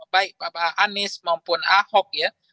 baik bapak anies maupun ahok ya